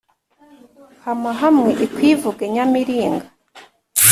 hama hamwe ikwivuge nyamiringa